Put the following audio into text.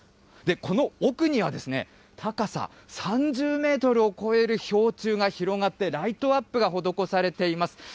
この奥には高さ３０メートルを超える氷柱が広がって、ライトアップが施されています。